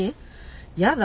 やだ！